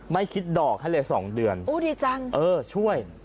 ไม่คิดดอกให้เลย๒เดือนโอ้ดีจังเออช่วย